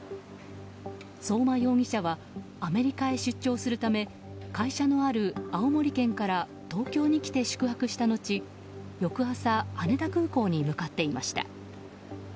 相馬容疑者はアメリカに出張するため会社のある青森県から東京に来て宿泊した後翌朝羽田空港に向かっていました。